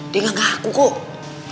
dia gak ngaku kok